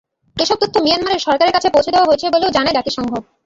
এসব তথ্য মিয়ানমারের সরকারের কাছে পৌঁছে দেওয়া হয়েছে বলেও জানায় জাতিসংঘ।